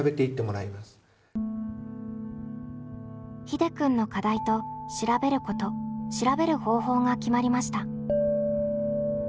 ひでくんの「課題」と「調べること」「調べる方法」が決まりました。